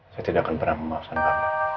saya tidak akan pernah memaafkan kami